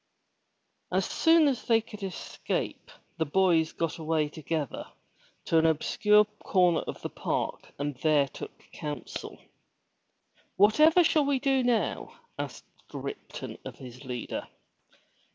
As soon as they could escape the boys got away together to an obscure corner of the park and there took counsel. "Whatever shall we do now?*' asked Ripton of his leader.